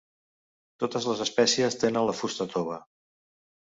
Totes les espècies tenen la fusta tova.